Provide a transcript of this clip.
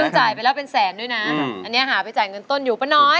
จ่ายไปแล้วเป็นแสนด้วยนะอันนี้หาไปจ่ายเงินต้นอยู่ป้าน้อย